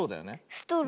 ストロー。